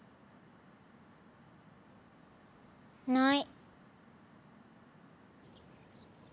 ない。